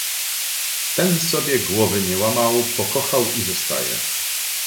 "Ten sobie głowy nie łamał; pokochał i zostaje."